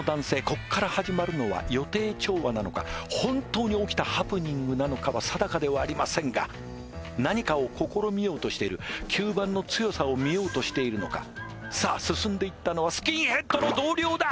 ここから始まるのは予定調和なのか本当に起きたハプニングなのかは定かではありませんが何かを試みようとしている吸盤の強さをみようとしているのかさあ進んでいったのはスキンヘッドの同僚だ！